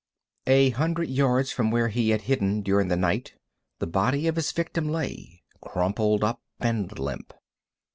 A hundred yards from where he had hidden during the night the body of his victim lay, crumpled up and limp.